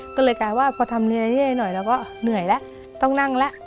ก็เลยกลายว่าพอทำเนียหน่อยเราก็เหนื่อยแล้วต้องนั่งแล้ว